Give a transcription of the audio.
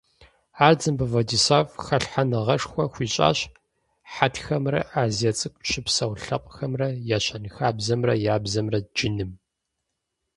Ардзинбэ Владислав хэлъхьэныгъэшхуэ хуищӀащ хьэтхэмрэ Азие ЦӀыкӀум щыпсэу лъэпкъхэмрэ я щэнхабзэмрэ я бзэмрэ джыным.